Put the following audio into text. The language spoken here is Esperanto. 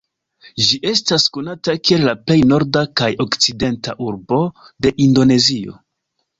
Ĝi estas konata kiel la plej norda kaj okcidenta urbo de Indonezio.